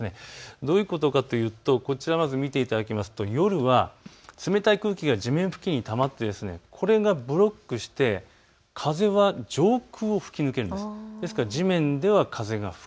どういうことかというとこちらを見ていただきますと夜は冷たい空気が地面付近にたまってこれがブロックして風は上空を吹き抜けます。